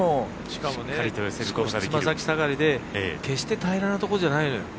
しかも、爪先下がりで決して平らなところじゃないのよ。